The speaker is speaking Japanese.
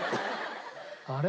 あれ？